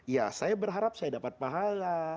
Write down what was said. ya saya berharap saya dapat pahala